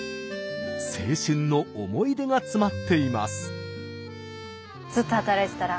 青春の思い出が詰まっています。